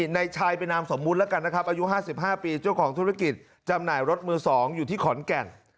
นายชายเป็นนามสมมุติแล้วกันนะครับอายุ๕๕ปีเจ้าของธุรกิจจำหน่ายรถมือ๒อยู่ที่ขอนแก่น